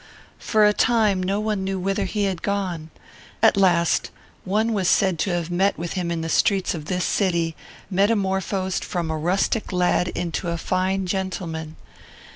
For a time, no one knew whither he had gone. At last, one was said to have met with him in the streets of this city, metamorphosed from a rustic lad into a fine gentleman.